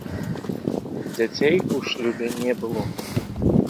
Дзяцей у шлюбе не было.